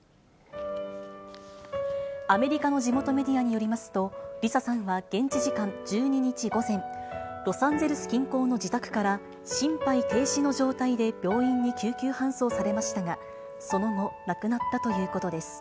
アメリカの地元メディアによりますと、リサさんは現地時間１２日午前、ロサンゼルス近郊の自宅から、心肺停止の状態で病院に救急搬送されましたが、その後、亡くなったということです。